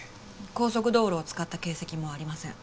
高速道路を使った形跡もありません。